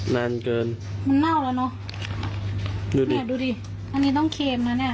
นานเกินโอ้โฮอันนี้คือ